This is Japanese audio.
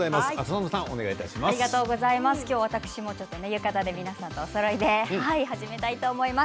私も今日は浴衣で皆さんとおそろいで始めたいと思います。